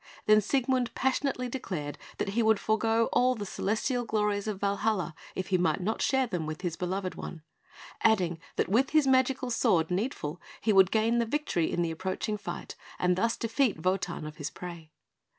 Then Siegmund passionately declared that he would forego all the celestial glories of Valhalla if he might not share them with his beloved one; adding that with his magic sword, Needful, he would gain the victory in the approaching fight, and thus defeat Wotan of his prey.